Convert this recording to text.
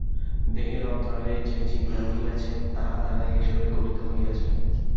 দেহের অন্তরালে যে চিন্তা রহিয়াছে, তাহা দ্বারাই এই শরীর গঠিত হইয়াছে।